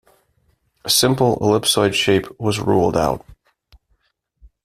A simple ellipsoid shape was ruled out.